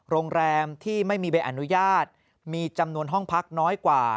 โรงแรมที่ไม่มีใบอนุญาตมีจำนวนห้องพักน้อยกว่า